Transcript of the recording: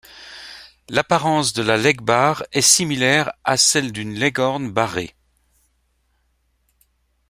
L'apparence de la Legbar est similaire à celle d'une Leghorn barrée.